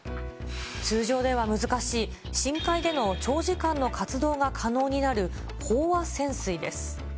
通常では難しい深海での長時間の活動が可能になる飽和潜水です。